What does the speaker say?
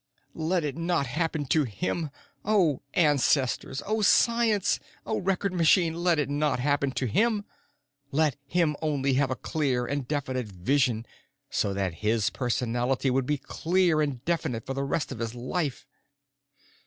Let it not happen to him! O ancestors, O science, O record machine, let it not happen to him! Let him only have a clear and definite vision so that his personality could be clear and definite for the rest of his life!